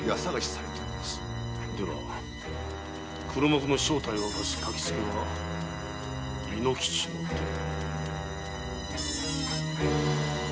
では黒幕の正体を明かす書き付けは猪之吉の手に。